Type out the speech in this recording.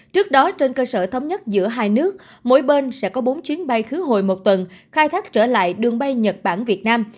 trước đó trên cơ sở thống nhất giữa hai nước mỗi bên sẽ có bốn chuyến bay khứ hồi một tuần khai thác trở lại đường bay nhật bản việt nam